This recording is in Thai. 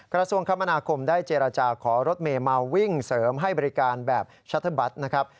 กระทรวงคมนาคมได้เจรจาขอรถเมย์มาวิ่งเสริมให้บริการแบบชัตเทอร์บัตรนะครับ